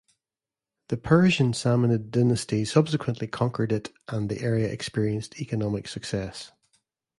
The Persian Samanid dynasty subsequently conquered it and the area experienced economic success.